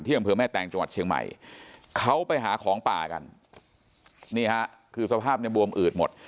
ที่กำเผยแม่แตงจังหวัดเชียงใหม่เขาไปหาของปากันนี่ค่ะคือสภาพบวมอืดหมด